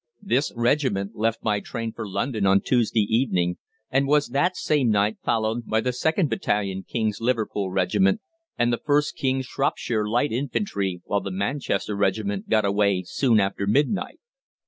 This regiment left by train for London on Tuesday evening, and was that same night followed by the 2nd Battalion King's Liverpool Regiment and the 1st King's Shropshire Light Infantry, while the Manchester Regiment got away soon after midnight.